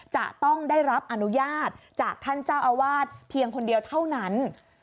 จะต้องได้รับอนุญาตจากท่านเจ้าอาวาสเพียงคนเดียวเท่านั้น